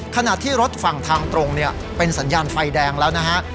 ขณะที่รถฝั่งทางตรงเนี่ยเป็นสัญญาณไฟแดงแล้วนะฮะ